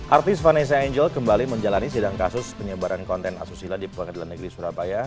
artis vanessa angel kembali menjalani sidang kasus penyebaran konten asusila di pengadilan negeri surabaya